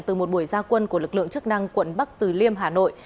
từ một buổi gia quân của lực lượng chức năng quận bắc từ liêm hà nội